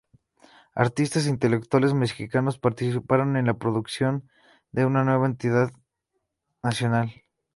Artistas e intelectuales mexicanos participaron en la construcción de una nueva identidad nacional.